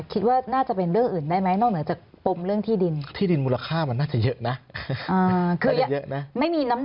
คิดว่าน่าจะเป็นเรื่องอื่นได้ไหม